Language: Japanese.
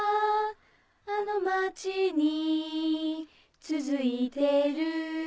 あの街につづいてる